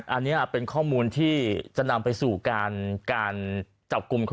อันนี้เป็นข้อมูลที่จะนำไปสู่การจับกลุ่ม